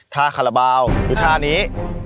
คาราบาลคือท่านี้